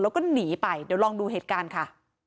แล้วก็หนีไปเดี๋ยวลองดูเหตุการณ์ค่ะ